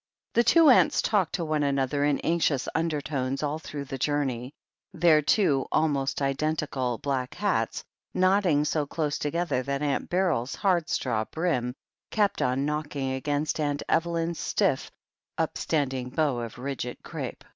The two aunts talked to one another in anxious undertones all through the journey; their two, almost identical, black hats nodding so close together that Aunt Beryl's hard straw brim kept on knocking against Aunt Evelyn's stiff, upstanding bow of rigid crape.